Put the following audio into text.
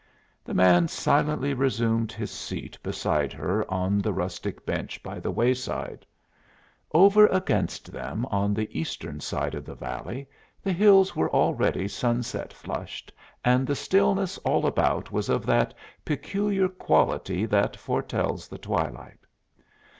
The man silently resumed his seat beside her on the rustic bench by the wayside. Over against them on the eastern side of the valley the hills were already sunset flushed and the stillness all about was of that peculiar quality that foretells the twilight.